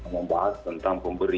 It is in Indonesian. membahas tentang pemberi